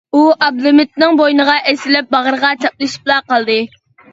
ئۇ ئابلىمىتنىڭ بوينىغا ئېسىلىپ باغرىغا چاپلىشىپلا قالدى.